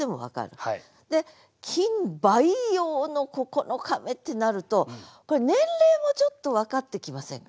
で「菌培養の９日目」ってなるとこれ年齢もちょっと分かってきませんか。